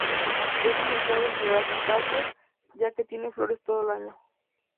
Es inusual entre las "Acacias", ya que tiene flores todo el año.